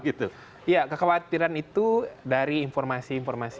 iya kekhawatiran itu dari informasi informasi